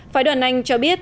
phái đoàn anh cho biết